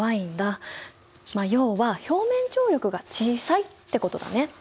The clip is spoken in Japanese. まあ要は表面張力が小さいってことだね！